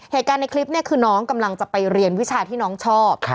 เหตุการณ์ในคลิปเนี่ยคือน้องกำลังจะไปเรียนวิชาที่น้องชอบ